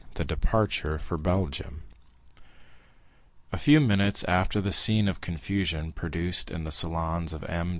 The Departure for Belgium A few minutes after the scene of confusion produced in the salons of M.